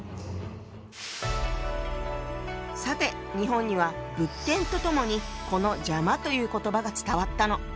さて日本には仏典とともにこの「邪魔」という言葉が伝わったの。